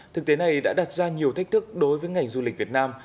thực tế này đã đặt ra nhiều thách thức đối với ngành du lịch việt nam